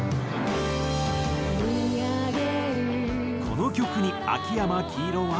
この曲に秋山黄色は。